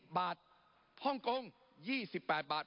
ปรับไปเท่าไหร่ทราบไหมครับ